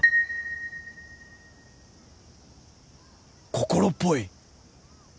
心っぽい！